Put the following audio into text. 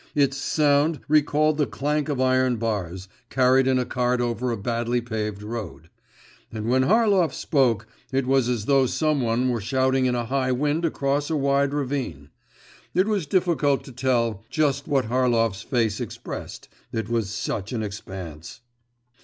… Its sound recalled the clank of iron bars, carried in a cart over a badly paved road; and when Harlov spoke, it was as though some one were shouting in a high wind across a wide ravine. It was difficult to tell just what Harlov's face expressed, it was such an expanse.